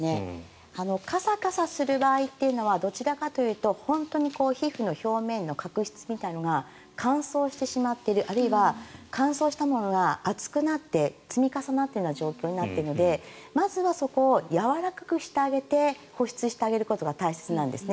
カサカサする場合というのはどちらかというと本当に皮膚の表面の角質みたいなのが乾燥してしまっているあるいは乾燥したものが厚くなって積み重なっているような状況になっているのでまずはそこをやわらかくしてあげて保湿してあげることが大切なんですね。